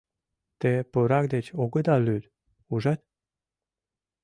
— Те пурак деч огыда лӱд, ужат?..